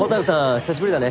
久しぶりだね。